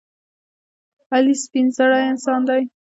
علي سپینزړی انسان دی.